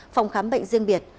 phòng khám bệnh riêng biệt